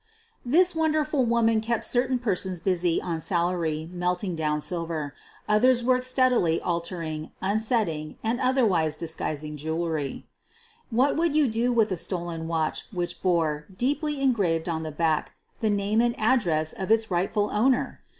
This wonderful woman kept certain persons busy on salary melting down silver. Others worked stead 192 SOPHIE LYONS ily altering, unsetting, and otherwise disguising jewelry. What would you do with a stolen watch which bore, deeply engraved on the back, the name and address of its rightful owner?